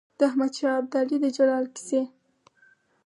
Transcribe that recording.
د احمد شاه ابدالي د جلال کیسې.